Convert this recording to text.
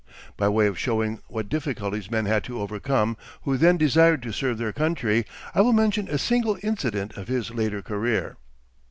By way of showing what difficulties men had to overcome who then desired to serve their country, I will mention a single incident of his later career.